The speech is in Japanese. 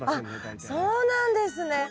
あっそうなんですね！